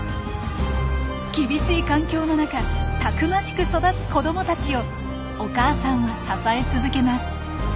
厳しい環境の中たくましく育つ子どもたちをお母さんは支え続けます。